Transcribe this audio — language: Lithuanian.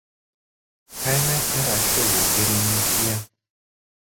Kaime yra Šilų girininkija.